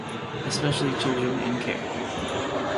Especially children in care.